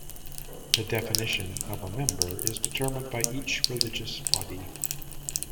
The definition of a member is determined by each religious body.